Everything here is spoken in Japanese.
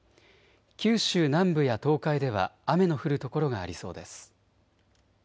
九州南部や東海では雨の降る所がありそうです。